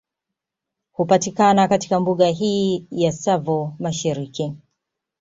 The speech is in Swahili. Hupatikana katika Mbuga hii ya Tsavo Mashariki